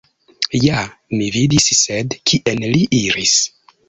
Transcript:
Ja, mi vidis, sed kien li iris?